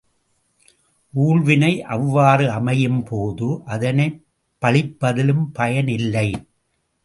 ஊழ்வினை அவ்வாறு அமையும் போது அதனைப் பழிப்பதிலும் பயன் இல்லை.